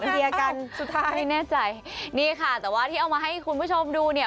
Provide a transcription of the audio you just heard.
เคลียร์กันสุดท้ายไม่แน่ใจนี่ค่ะแต่ว่าที่เอามาให้คุณผู้ชมดูเนี่ย